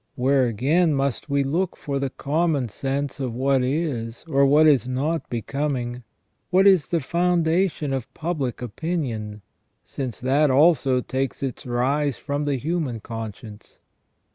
Where, again, must we look for the common sense of what is, or is not, becoming, which is the foundation of public opinion, since that also takes its rise from the human conscience?